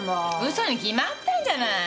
嘘に決まってんじゃない！